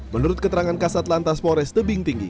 menurut keterangan kasat lantas pores tebing tinggi